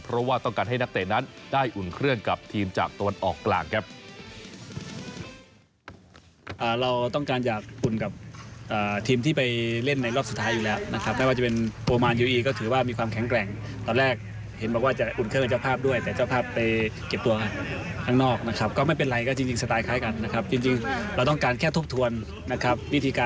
เพราะว่าต้องการให้นักเตะนั้นได้อุ่นเครื่องกับทีมจากตะวันออกกลางครับ